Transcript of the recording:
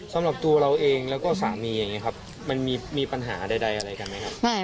สำหรับตัวเราเองแล้วก็สามีอย่างนี้ครับมันมีปัญหาใดอะไรกันไหมครับ